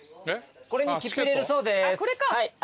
これに切符入れるそうです。